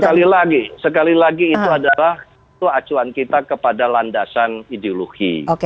sekali lagi sekali lagi itu adalah acuan kita kepada landasan ideologi